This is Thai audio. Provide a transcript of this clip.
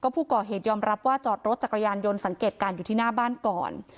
ผู้ก่อเหตุยอมรับว่าจอดรถจักรยานยนต์สังเกตการณ์อยู่ที่หน้าบ้านก่อน